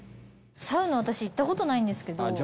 サウナ私行ったことないんですけど。